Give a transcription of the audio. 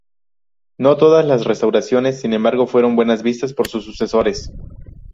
No todas las restauraciones, sin embargo, fueron bien vistas por sus sucesores.